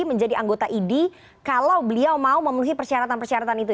menjadi anggota idi kalau beliau mau memenuhi persyaratan persyaratan itu